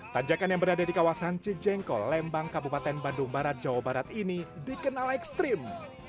tanjakan yang berada di kawasan cijengkol lembang kabupaten bandung barat jawa barat ini dikenal ekstrim